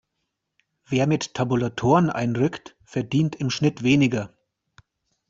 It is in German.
Wer mit Tabulatoren einrückt, verdient im Schnitt weniger.